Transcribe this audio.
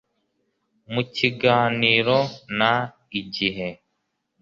Mu Kiganiro na IGIHE